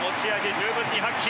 十分に発揮。